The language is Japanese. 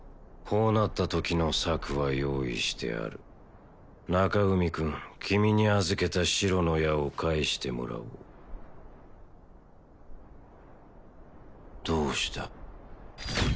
こうなったときの策は用意してある中海君君に預けた白の矢を返してもらおうどうした？